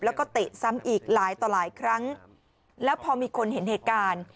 แล้วก็เตะซ้ำอีกหลายต่อหลายครั้งแล้วพอมีคนเห็นเหตุการณ์